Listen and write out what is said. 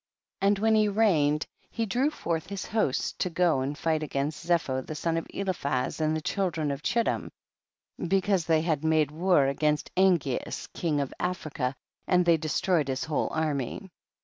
3. And when he reigned, he drew forth his hosts to go and fight against Zepho the son of Eliphaz and the children of Chittim, because they had made war against Angeas king of Africa, and they destroyed his whole army.